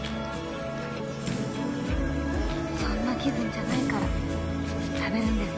そんな気分じゃないから食べるんです